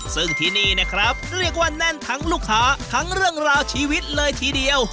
ซึ่งที่นี่นะครับเรียกว่าแน่นทั้งลูกค้าทั้งเรื่องราวชีวิตเลยทีเดียว